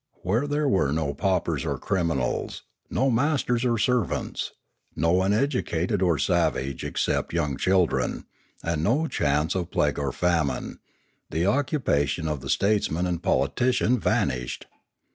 Where there were no paupers or criminals, no masters , or servants, no uneducated or savage except young children, and no chance of plague or famine, the oc cupation of the statesman and politician vanished.